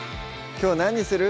きょう何にする？